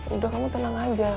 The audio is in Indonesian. udah kamu tenang aja